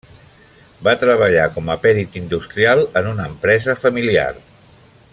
Va treballar com a pèrit industrial en una empresa familiar.